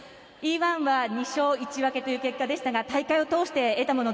Ｅ‐１は２勝１分けという結果でしたが大会を通して得たもの